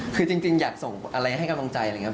คือจริงอยากส่งอะไรให้กำลังใจอะไรอย่างนี้